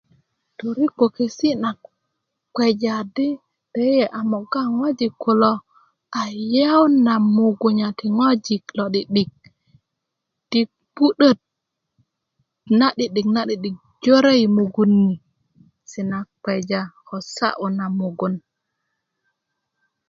torkpokesi na kpeja adi deyiye a moga ŋojik kulo a yawun na mugunya ti ŋojik lo'di'dik di gbu'döt na'di'dik na'di'dik jore i mugun yi mugun ni se na kpeja ko sa'yu na mugun